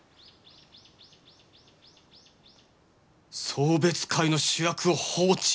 送別会の主役を放置！？